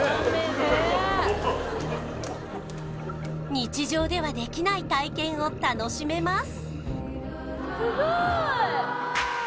日常ではできない体験を楽しめます